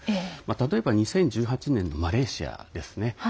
例えば２０１８年のマレーシアですね。